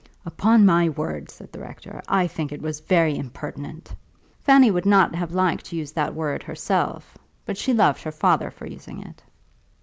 "Upon my word," said the Rector, "I think it was very impertinent." Fanny would not have liked to use that word herself, but she loved her father for using it.